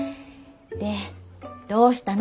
でどうしたの？